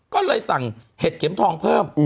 ก็เลยสั่งเห็ดเข็มทองเพิ่ม